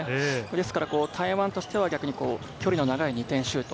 ですから台湾としては逆に距離の長い２点シュート。